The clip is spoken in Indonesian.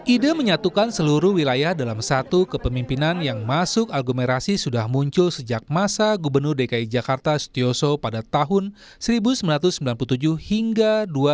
ide menyatukan seluruh wilayah dalam satu kepemimpinan yang masuk aglomerasi sudah muncul sejak masa gubernur dki jakarta setioso pada tahun seribu sembilan ratus sembilan puluh tujuh hingga dua ribu dua